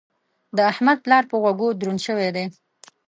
د احمد پلار په غوږو دروند شوی دی.